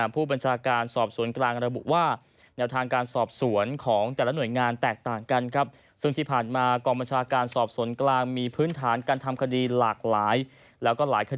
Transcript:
ผู้บัญชาการสอบสวนกลางระบุว่า